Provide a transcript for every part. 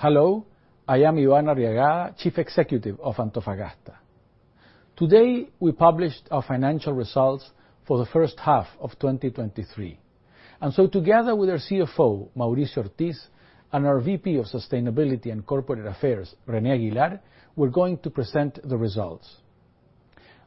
Hello, I am Iván Arriagada, Chief Executive of Antofagasta. Today, we published our financial results for the first half of 2023. Together with our CFO, Mauricio Ortiz, and our VP of Sustainability and Corporate Affairs, René Aguilar, we're going to present the results.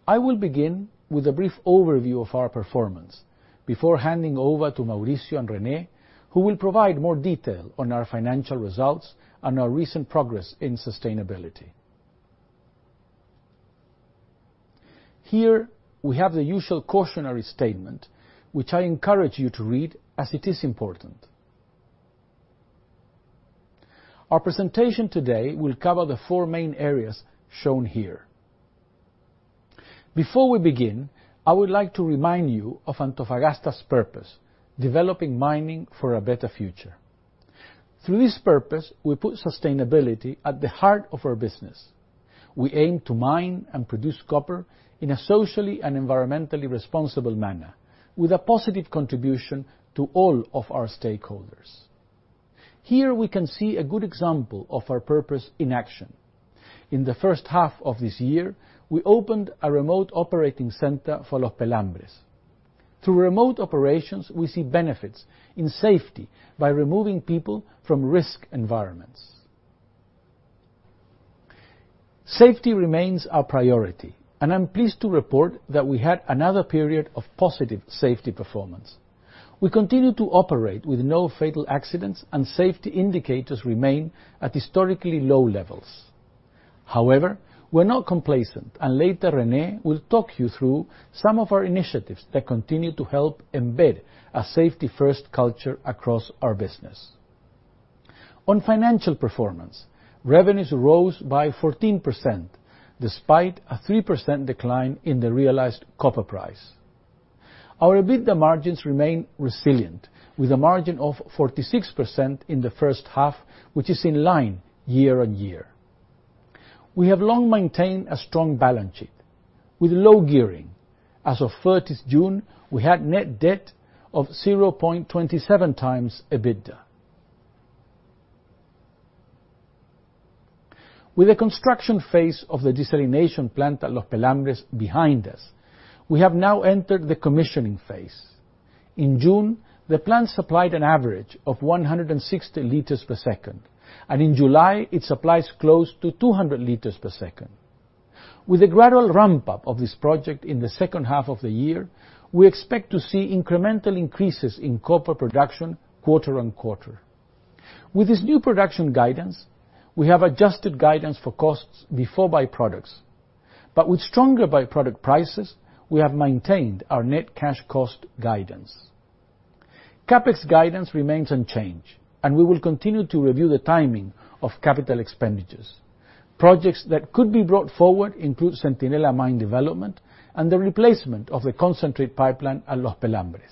I will begin with a brief overview of our performance before handing over to Mauricio and René, who will provide more detail on our financial results and our recent progress in sustainability. Here, we have the usual cautionary statement, which I encourage you to read, as it is important. Our presentation today will cover the four main areas shown here. Before we begin, I would like to remind you of Antofagasta's purpose: developing mining for a better future. Through this purpose, we put sustainability at the heart of our business. We aim to mine and produce copper in a socially and environmentally responsible manner, with a positive contribution to all of our stakeholders. Here, we can see a good example of our purpose in action. In the first half of this year, we opened a remote operating center for Los Pelambres. Through remote operations, we see benefits in safety by removing people from risk environments. Safety remains our priority, I'm pleased to report that we had another period of positive safety performance. We continue to operate with no fatal accidents, safety indicators remain at historically low levels. However, we're not complacent and later, René will talk you through some of our initiatives that continue to help embed a safety-first culture across our business. On financial performance, revenues rose by 14%, despite a 3% decline in the realized copper price. Our EBITDA margins remain resilient, with a margin of 46% in the first half, which is in line year-on-year. We have long maintained a strong balance sheet with low gearing. As of June 30, we had net debt of 0.27x EBITDA. With the construction phase of the desalination plant at Los Pelambres behind us, we have now entered the commissioning phase. In June, the plant supplied an average of 160 liters per second, and in July, it supplies close to 200 liters per second. With a gradual ramp-up of this project in the second half of the year, we expect to see incremental increases in copper production quarter-on-quarter. With this new production guidance, we have adjusted guidance for costs before byproducts, but with stronger byproduct prices, we have maintained our net cash cost guidance. CapEx guidance remains unchanged, and we will continue to review the timing of capital expenditures. Projects that could be brought forward include Centinela mine development and the replacement of the concentrate pipeline at Los Pelambres.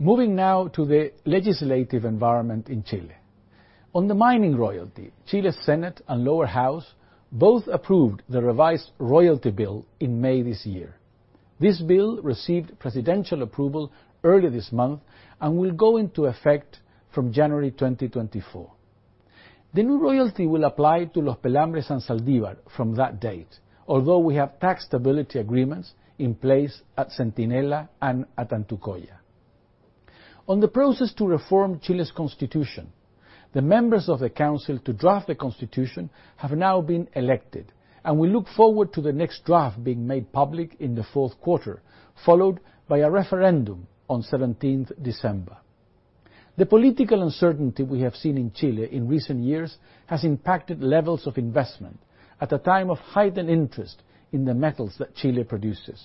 Moving now to the legislative environment in Chile. On the mining royalty, Chile's Senate and Lower House both approved the revised royalty bill in May this year. This bill received presidential approval earlier this month and will go into effect from January 2024. The new royalty will apply to Los Pelambres and Zaldívar from that date, although we have tax stability agreements in place at Centinela and at Antucoya. On the process to reform Chile's constitution, the members of the council to draft the Constitution have now been elected, and we look forward to the next draft being made public in the fourth quarter, followed by a referendum on 17th December. The political uncertainty we have seen in Chile in recent years has impacted levels of investment at a time of heightened interest in the metals that Chile produces.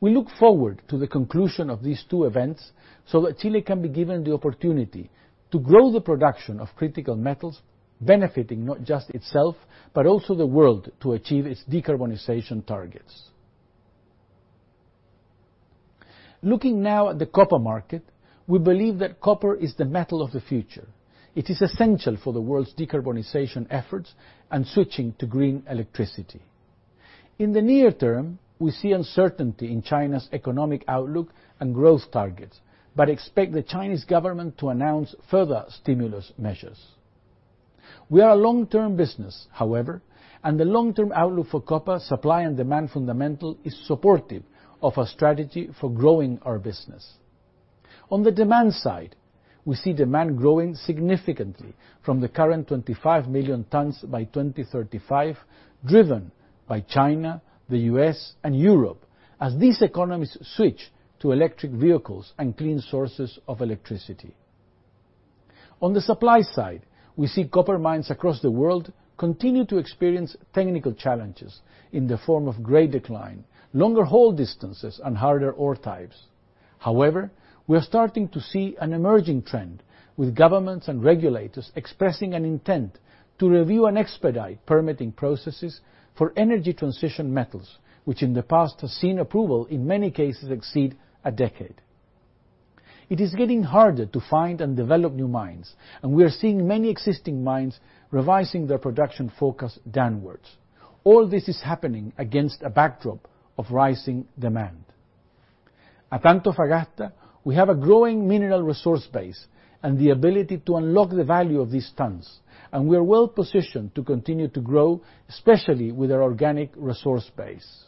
We look forward to the conclusion of these two events, so that Chile can be given the opportunity to grow the production of critical metals, benefiting not just itself, but also the world, to achieve its decarbonization targets. Looking now at the copper market, we believe that copper is the metal of the future. It is essential for the world's decarbonization efforts and switching to green electricity. In the near term, we see uncertainty in China's economic outlook and growth targets, but expect the Chinese government to announce further stimulus measures. We are a long-term business, however, and the long-term outlook for copper supply and demand fundamental is supportive of our strategy for growing our business. On the demand side, we see demand growing significantly from the current 25 million tons by 2035, driven by China, the U.S., and Europe, as these economies switch to electric vehicles and clean sources of electricity. On the supply side, we see copper mines across the world continue to experience technical challenges in the form of grade decline, longer haul distances, and harder ore types. However, we are starting to see an emerging trend, with governments and regulators expressing an intent to review and expedite permitting processes for energy transition metals, which in the past has seen approval, in many cases, exceed a decade. It is getting harder to find and develop new mines, and we are seeing many existing mines revising their production focus downwards. All this is happening against a backdrop of rising demand. At Antofagasta, we have a growing mineral resource base and the ability to unlock the value of these tons. We are well positioned to continue to grow, especially with our organic resource base.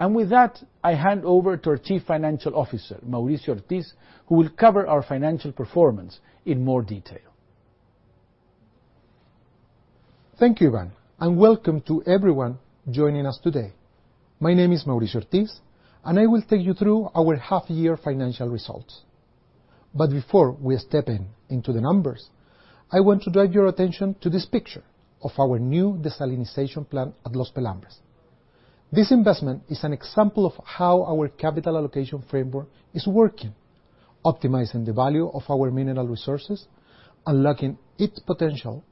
With that, I hand over to our Chief Financial Officer, Mauricio Ortiz, who will cover our financial performance in more detail. Thank you, Iván, and welcome to everyone joining us today. My name is Mauricio Ortiz, and I will take you through our half-year financial results. Before we step in, into the numbers, I want to draw your attention to this picture of our new desalination plant at Los Pelambres. This investment is an example of how our capital allocation framework is working, optimizing the value of our mineral resources, unlocking its potential,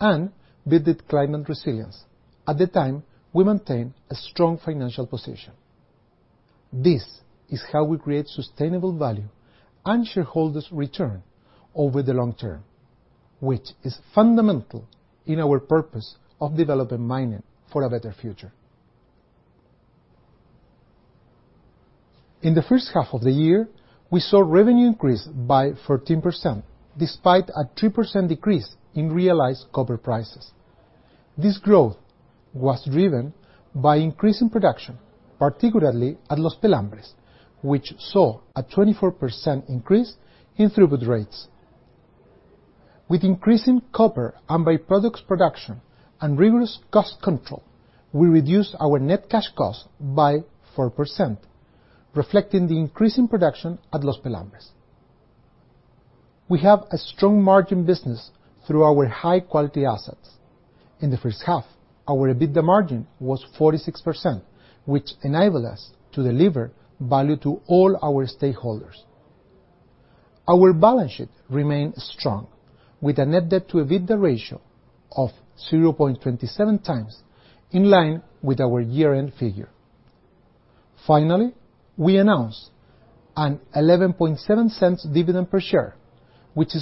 and build climate resilience. At the time, we maintain a strong financial position. This is how we create sustainable value and shareholders' return over the long term, which is fundamental in our purpose of developing mining for a better future. In the first half of the year, we saw revenue increase by 14%, despite a 2% decrease in realized copper prices. This growth was driven by increasing production, particularly at Los Pelambres, which saw a 24% increase in throughput rates. With increasing copper and byproducts production and rigorous cost control, we reduced our net cash cost by 4%, reflecting the increase in production at Los Pelambres. We have a strong margin business through our high-quality assets. In the first half, our EBITDA margin was 46%, which enabled us to deliver value to all our stakeholders. Our balance sheet remained strong, with a net debt-to-EBITDA ratio of 0.27x, in line with our year-end figure. We announced a $0.117 dividend per share, which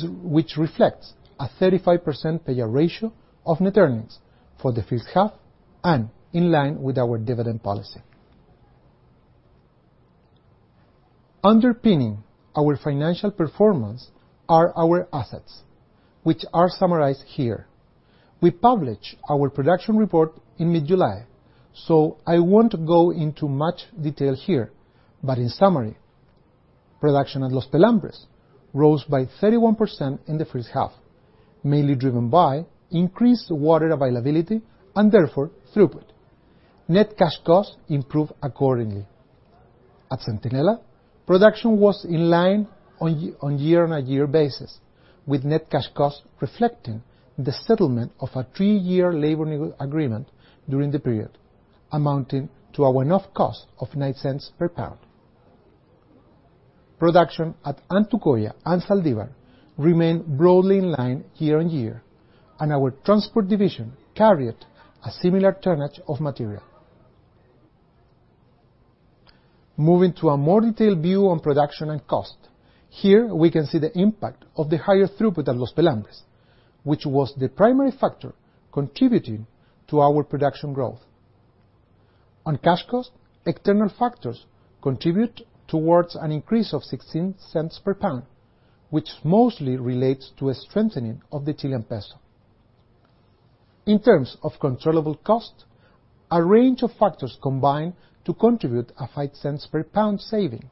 reflects a 35% payout ratio of net earnings for the first half and in line with our dividend policy. Underpinning our financial performance are our assets, which are summarized here. We published our production report in mid-July. I won't go into much detail here. In summary, production at Los Pelambres rose by 31% in the first half, mainly driven by increased water availability and therefore, throughput. Net cash costs improved accordingly. At Centinela, production was in line on a year-on-year basis, with net cash costs reflecting the settlement of a three-year labor union agreement during the period, amounting to a one-off cost of $0.09 per pound. Production at Antucoya and Zaldívar remained broadly in line year-on-year. Our transport division carried a similar tonnage of material. Moving to a more detailed view on production and cost, here we can see the impact of the higher throughput at Los Pelambres, which was the primary factor contributing to our production growth. On cash cost, external factors contribute towards an increase of $0.16 per pound, which mostly relates to a strengthening of the Chilean peso. In terms of controllable cost, a range of factors combine to contribute a $0.05 per pound saving,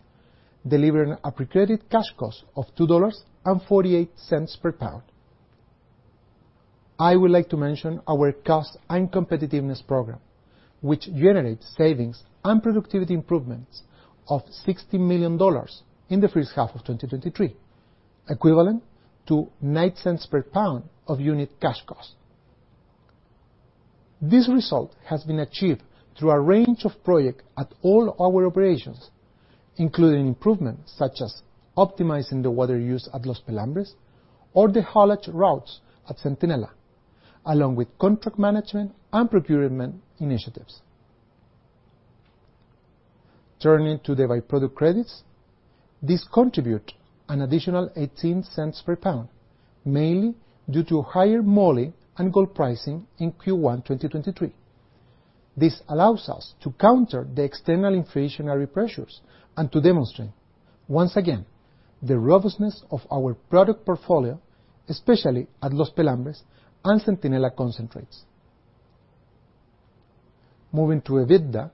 delivering a pre-credited cash cost of $2.48 per pound. I would like to mention our Cost and Competitiveness Programme, which generates savings and productivity improvements of $60 million in the first half of 2023, equivalent to $0.09 per pound of unit cash cost. This result has been achieved through a range of projects at all our operations, including improvements such as optimizing the water use at Los Pelambres or the haulage routes at Centinela, along with contract management and procurement initiatives. Turning to the by-product credits, this contribute an additional $0.18 per pound, mainly due to higher moly and gold pricing in Q1 2023. This allows us to counter the external inflationary pressures and to demonstrate, once again, the robustness of our product portfolio, especially at Los Pelambres and Centinela concentrates. Moving to EBITDA,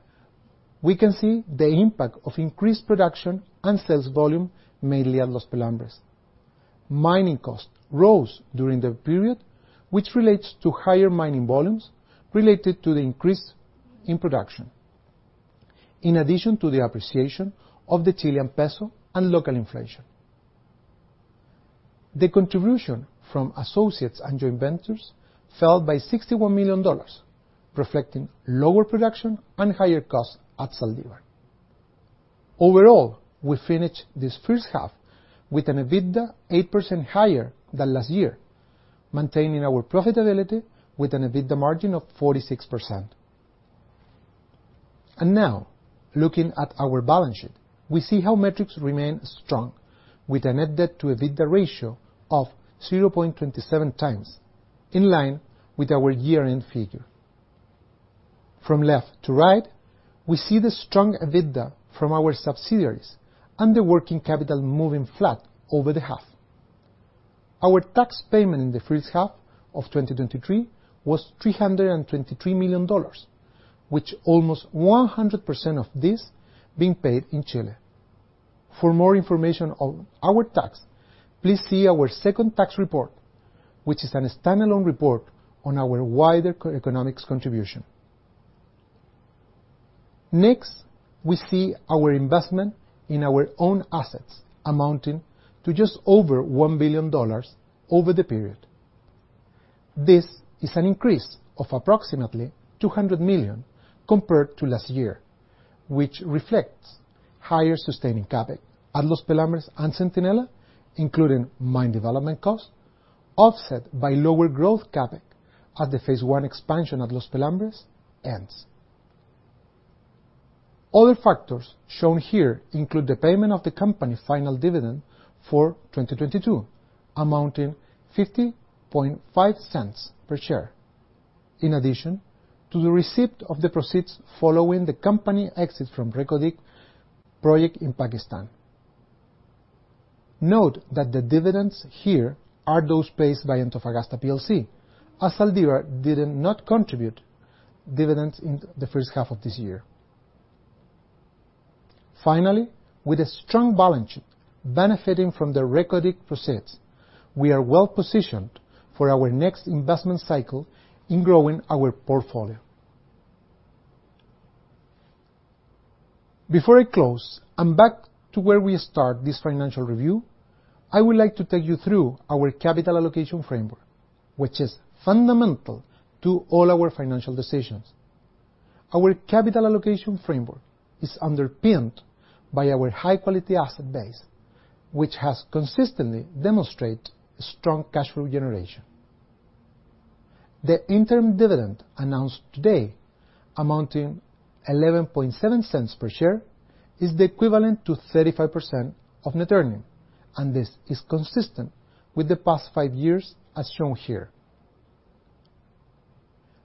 we can see the impact of increased production and sales volume, mainly at Los Pelambres. Mining costs rose during the period, which relates to higher mining volumes related to the increase in production, in addition to the appreciation of the Chilean peso and local inflation. The contribution from associates and joint ventures fell by $61 million, reflecting lower production and higher costs at Zaldívar. Overall, we finished this first half with an EBITDA 8% higher than last year, maintaining our profitability with an EBITDA margin of 46%. Now, looking at our balance sheet, we see how metrics remain strong, with a net debt-to-EBITDA ratio of 0.27x, in line with our year-end figure. From left to right, we see the strong EBITDA from our subsidiaries and the working capital moving flat over the half. Our tax payment in the first half of 2023 was $323 million, with almost 100% of this being paid in Chile. For more information on our tax, please see our second Tax Report, which is a standalone report on our wider economics contribution. Next, we see our investment in our own assets amounting to just over $1 billion over the period. This is an increase of approximately $200 million compared to last year, which reflects higher sustaining CapEx at Los Pelambres and Centinela, including mine development costs, offset by lower growth CapEx as the Phase 1 expansion at Los Pelambres ends. Other factors shown here include the payment of the company final dividend for 2022, amounting $0.505 per share. In addition to the receipt of the proceeds following the company exit from Reko Diq project in Pakistan. Note that the dividends here are those paid by Antofagasta plc, as Zaldívar did not contribute dividends in the first half of this year. Finally, with a strong balance sheet benefiting from the Reko Diq proceeds, we are well-positioned for our next investment cycle in growing our portfolio. Before I close, back to where we start this financial review, I would like to take you through our capital allocation framework, which is fundamental to all our financial decisions. Our capital allocation framework is underpinned by our high-quality asset base, which has consistently demonstrated strong cash flow generation. The interim dividend announced today, amounting $0.117 per share, is the equivalent to 35% of net earning. This is consistent with the past five years, as shown here.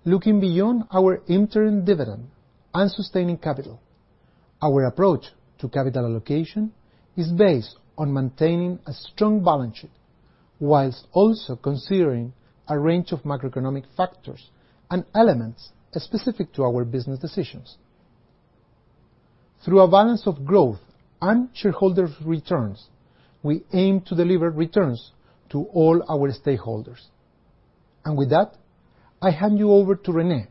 Looking beyond our interim dividend and sustaining capital, our approach to capital allocation is based on maintaining a strong balance sheet, while also considering a range of macroeconomic factors and elements specific to our business decisions. Through a balance of growth and shareholder returns, we aim to deliver returns to all our stakeholders. With that, I hand you over to René,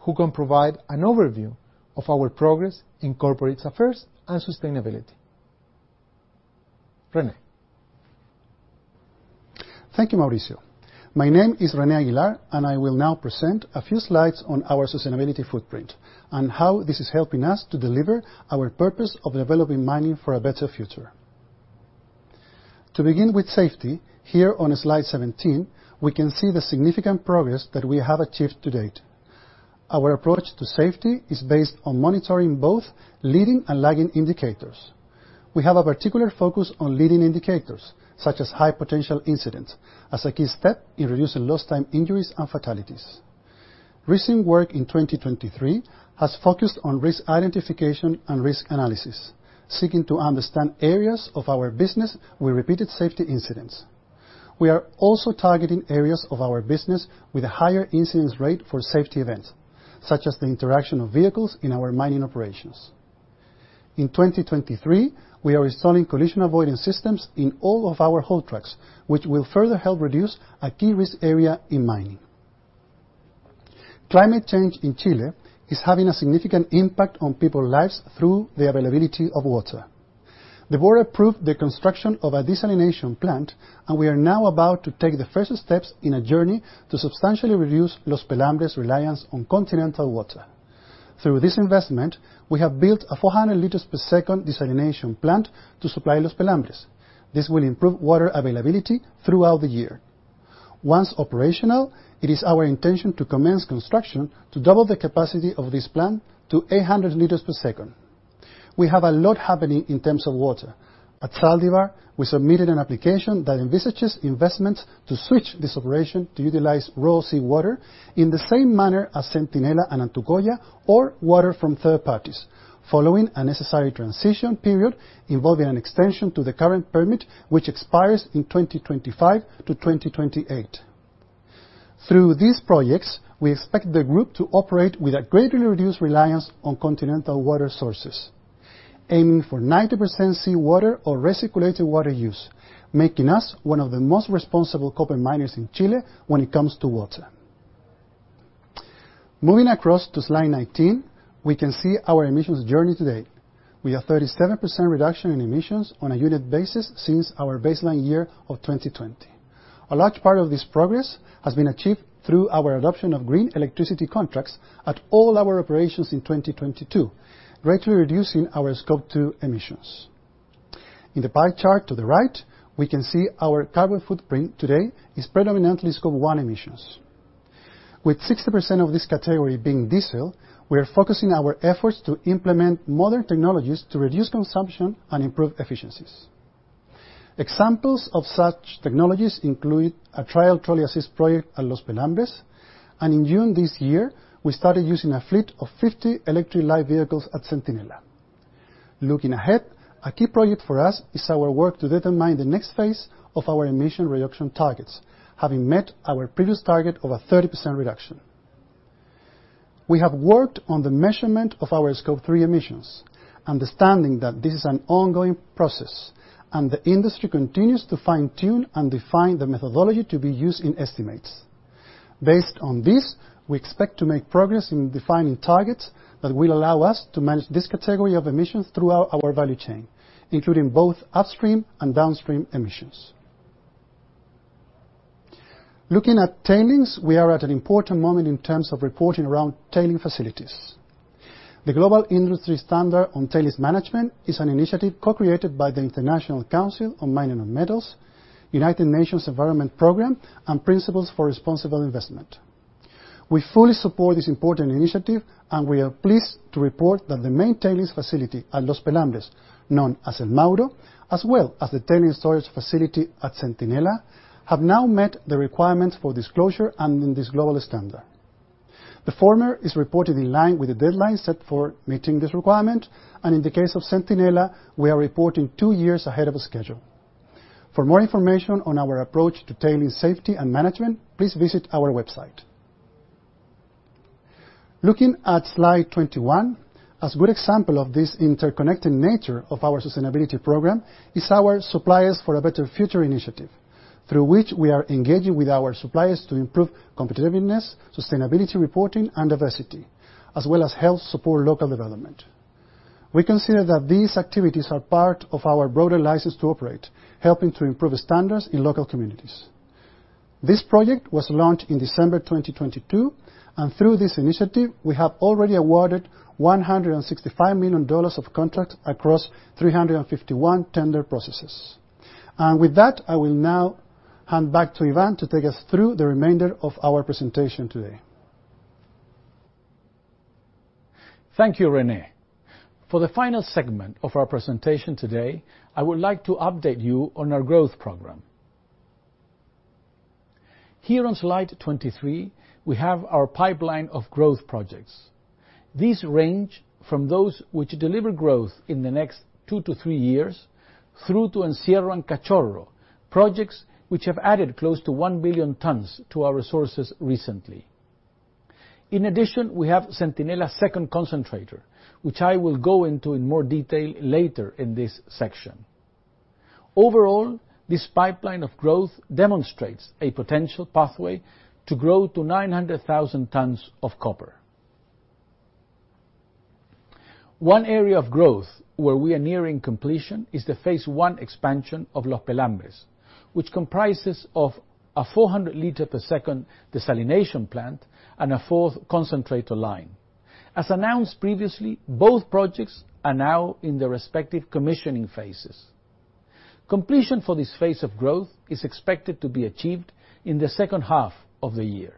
who can provide an overview of our progress in corporate affairs and sustainability. René? Thank you, Mauricio. My name is René Aguilar, and I will now present a few slides on our sustainability footprint and how this is helping us to deliver our purpose of developing mining for a better future. To begin with safety, here on slide 17, we can see the significant progress that we have achieved to date. Our approach to safety is based on monitoring both leading and lagging indicators. We have a particular focus on leading indicators, such as high potential incidents, as a key step in reducing lost time injuries and fatalities. Recent work in 2023 has focused on risk identification and risk analysis, seeking to understand areas of our business with repeated safety incidents. We are also targeting areas of our business with a higher incidence rate for safety events, such as the interaction of vehicles in our mining operations. In 2023, we are installing collision avoidance systems in all of our haul trucks, which will further help reduce a key risk area in mining. Climate change in Chile is having a significant impact on people lives through the availability of water. The board approved the construction of a desalination plant, we are now about to take the first steps in a journey to substantially reduce Los Pelambres' reliance on continental water. Through this investment, we have built a 400 liters per second desalination plant to supply Los Pelambres. This will improve water availability throughout the year. Once operational, it is our intention to commence construction to double the capacity of this plant to 800 liters per second. We have a lot happening in terms of water. At Zaldívar, we submitted an application that envisages investments to switch this operation to utilize raw seawater in the same manner as Centinela and Antucoya, or water from third parties, following a necessary transition period involving an extension to the current permit, which expires in 2025 to 2028. Through these projects, we expect the group to operate with a greatly reduced reliance on continental water sources, aiming for 90% seawater or recirculated water use, making us one of the most responsible copper miners in Chile when it comes to water. Moving across to slide 19, we can see our emissions journey today. We have 37% reduction in emissions on a unit basis since our baseline year of 2020. A large part of this progress has been achieved through our adoption of green electricity contracts at all our operations in 2022, greatly reducing our Scope 2 emissions. In the pie chart to the right, we can see our carbon footprint today is predominantly Scope 1 emissions. With 60% of this category being diesel, we are focusing our efforts to implement modern technologies to reduce consumption and improve efficiencies. Examples of such technologies include a trial trolley assist project at Los Pelambres, and in June this year, we started using a fleet of 50 electric light vehicles at Centinela. Looking ahead, a key project for us is our work to determine the next phase of our emission reduction targets, having met our previous target of a 30% reduction. We have worked on the measurement of our Scope 3 emissions, understanding that this is an ongoing process, and the industry continues to fine-tune and define the methodology to be used in estimates. Based on this, we expect to make progress in defining targets that will allow us to manage this category of emissions throughout our value chain, including both upstream and downstream emissions. Looking at tailings, we are at an important moment in terms of reporting around tailings facilities. The Global Industry Standard on Tailings Management is an initiative co-created by the International Council on Mining and Metals, United Nations Environment Programme, and Principles for Responsible Investment. We fully support this important initiative, and we are pleased to report that the main tailings facility at Los Pelambres, known as El Mauro, as well as the tailings storage facility at Centinela, have now met the requirements for disclosure and in this global standard. The former is reported in line with the deadline set for meeting this requirement, and in the case of Centinela, we are reporting two years ahead of schedule. For more information on our approach to tailings safety and management, please visit our website. Looking at slide 21, as good example of this interconnected nature of our sustainability program, is our Suppliers for a Better Future initiative, through which we are engaging with our suppliers to improve competitiveness, sustainability reporting, and diversity, as well as help support local development. We consider that these activities are part of our broader license to operate, helping to improve the standards in local communities. This project was launched in December 2022. Through this initiative, we have already awarded $165 million of contracts across 351 tender processes. With that, I will now hand back to Iván to take us through the remainder of our presentation today. Thank you, René. For the final segment of our presentation today, I would like to update you on our growth program. Here on slide 23, we have our pipeline of growth projects. These range from those which deliver growth in the next 2-3 years, through to Encierro and Cachorro, projects which have added close to 1 billion tons to our resources recently. In addition, we have Centinela Second Concentrator, which I will go into in more detail later in this section. Overall, this pipeline of growth demonstrates a potential pathway to grow to 900,000 tons of copper. One area of growth where we are nearing completion is the Phase 1 expansion of Los Pelambres, which comprises of a 400 liter per second desalination plant and a fourth concentrator line. As announced previously, both projects are now in their respective commissioning phases. Completion for this phase of growth is expected to be achieved in the second half of the year.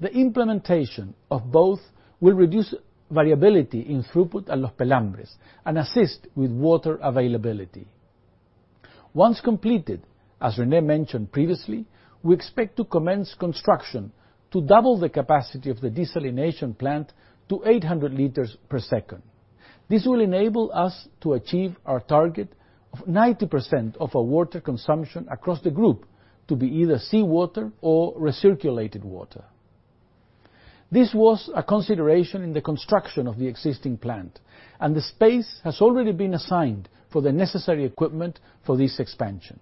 The implementation of both will reduce variability in throughput at Los Pelambres and assist with water availability. Once completed, as René mentioned previously, we expect to commence construction to double the capacity of the desalination plant to 800 liters per second. This will enable us to achieve our target of 90% of our water consumption across the group to be either seawater or recirculated water. This was a consideration in the construction of the existing plant, and the space has already been assigned for the necessary equipment for this expansion.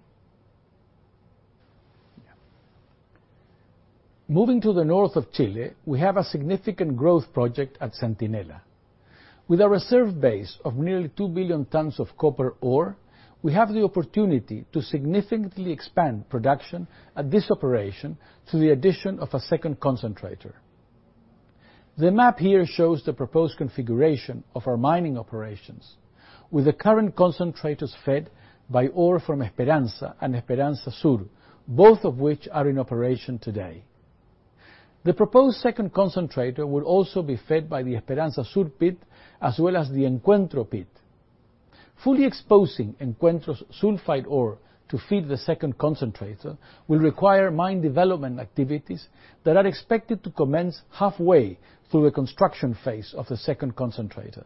Moving to the north of Chile, we have a significant growth project at Centinela. With a reserve base of nearly 2 billion tons of copper ore, we have the opportunity to significantly expand production at this operation through the addition of a second concentrator. The map here shows the proposed configuration of our mining operations, with the current concentrators fed by ore from Esperanza and Esperanza Sur, both of which are in operation today. The proposed second concentrator will also be fed by the Esperanza Sur pit, as well as the Encuentro pit. Fully exposing Encuentro's sulfide ore to feed the second concentrator will require mine development activities that are expected to commence halfway through the construction phase of the second concentrator.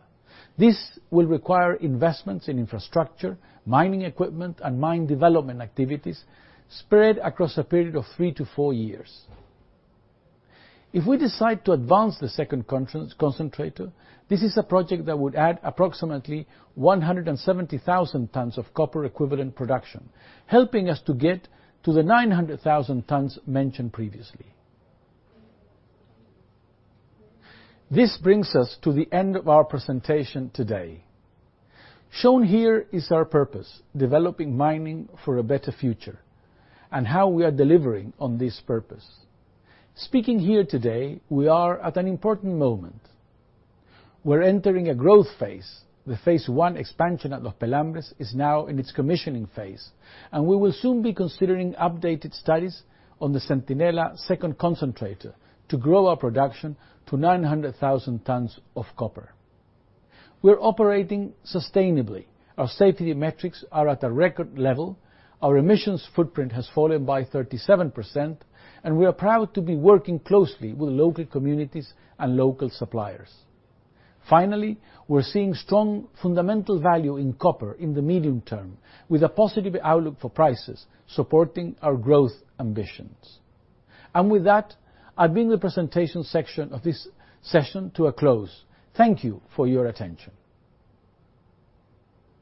This will require investments in infrastructure, mining equipment, and mine development activities spread across a period of three to four years. If we decide to advance the Second Concentrator, this is a project that would add approximately 170,000 tons of copper equivalent production, helping us to get to the 900,000 tons mentioned previously. This brings us to the end of our presentation today. Shown here is our purpose: developing mining for a better future, and how we are delivering on this purpose. Speaking here today, we are at an important moment. We're entering a growth phase. The Phase 1 expansion at Los Pelambres is now in its commissioning phase, and we will soon be considering updated studies on the Centinela Second Concentrator to grow our production to 900,000 tons of copper. We're operating sustainably. Our safety metrics are at a record level. Our emissions footprint has fallen by 37%. We are proud to be working closely with local communities and local suppliers. Finally, we're seeing strong fundamental value in copper in the medium term, with a positive outlook for prices, supporting our growth ambitions. With that, I bring the presentation section of this session to a close. Thank you for your attention.